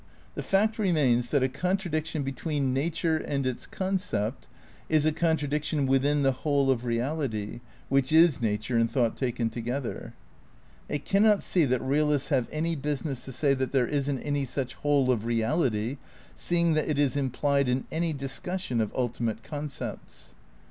The fact remains that a contradiction between nature and its concept is a contradiction within the whole of reality which is nature and thought taken to gether. I cannot see that realists have any business to say that there isn't any such whole of reality, seeing that it is implied in any discussion of ultimate concepts.